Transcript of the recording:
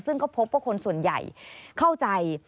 ซึ่งก็พบว่าคนส่วนใหญ่เข้าใจ